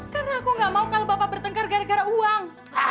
karena aku gak mau kalau bapak bertengkar gara gara uang